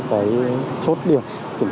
các chốt điểm